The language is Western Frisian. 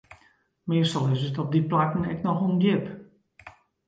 Meastal is it op dy plakken ek noch ûndjip.